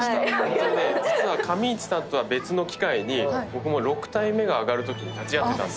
実は上市さんとは別の機会に僕も６体目が揚がるときに立ち会ってたんですよ。